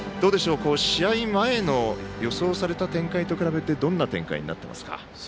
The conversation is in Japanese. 試合前の予想された展開と比べてどんな展開となっていますか？